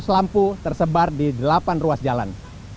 satu tujuh ratus lampu tersebar di delapan ruas jalan